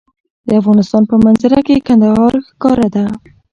د افغانستان په منظره کې کندهار ښکاره ده.